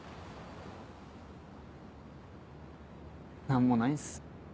何もないんす。